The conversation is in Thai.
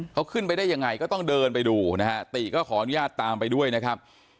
เขาขึ้นไปได้ยังไงก็ต้องเดินไปดูนะฮะติก็ขออนุญาตตามไปด้วยนะครับ